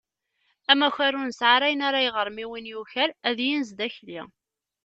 Amakar ur nesɛi ara ayen ara yeɣrem i win yuker, ad yenz d akli.